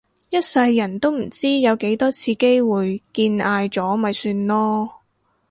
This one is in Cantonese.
一世人都唔知有幾多次機會見嗌咗咪算囉